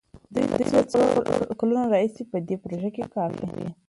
دوی له څو کلونو راهيسې په دې پروژه کار کوي.